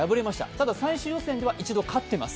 ただ最終予選では一度、勝っています。